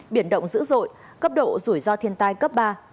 biển động dữ dội cấp độ rủi ro thiên tai cấp ba